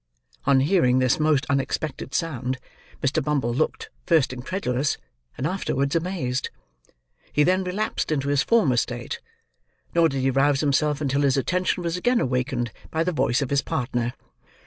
On hearing this most unexpected sound, Mr. Bumble looked, first incredulous, and afterwards amazed. He then relapsed into his former state; nor did he rouse himself until his attention was again awakened by the voice of his partner.